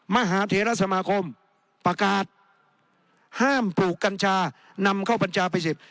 มหาเทรสมาคมประกาศห้ามปลูกกัญชานำเข้าบัญชาภัยสิทธิ